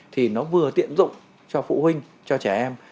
thì nó vừa tiện dụng cho phụ huynh cho trẻ em